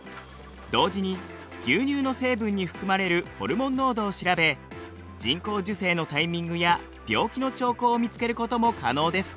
同時に牛乳の成分に含まれるホルモン濃度を調べ人工授精のタイミングや病気の兆候を見つけることも可能です。